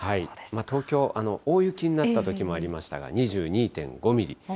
東京、大雪になったときもありましたが、２２．５ミリ。